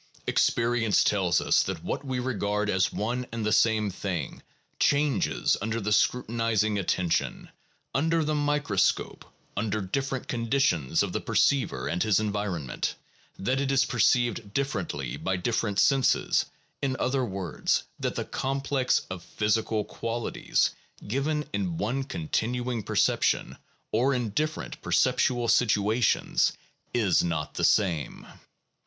Experience tells us that what we regard as one and the same thing changes under the scrutinizing attention, under the microscope, under different conditions of the perceiver and his environment, that it is perceived differently by different senses, in other words, that the complex of physical qualities given in one continuing perception, or in different perceptual situations, is not the same.